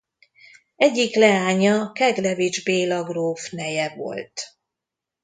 Egyik leánya Keglevich Béla gróf neje volt.